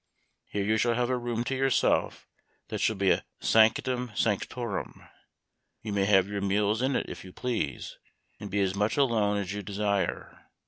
Here you shall have a room to yourself that shall be a sanctum sanctorum. You may have your meals in it if you please, and be as much alone as you desire.